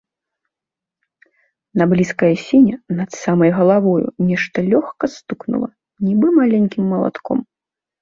На блізкай асіне над самай галавою нешта лёгка стукнула, нібы маленькім малатком.